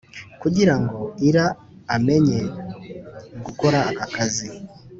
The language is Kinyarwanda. Kugira ngo Ira amenye gukora aka kazi,